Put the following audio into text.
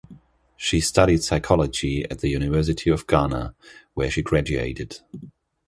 She studied Psychology at the University of Ghana where she graduated.